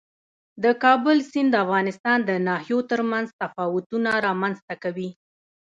د کابل سیند د افغانستان د ناحیو ترمنځ تفاوتونه رامنځ ته کوي.